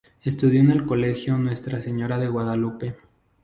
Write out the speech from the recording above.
Estudió en el Colegio Nuestra Señora de Guadalupe.